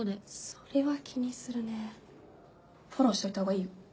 それは気にするねフォローしといたほうがいいよ。